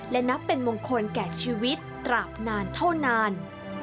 และนับเป็นมงคลแก่ชีวิตตราบนานเท่านาน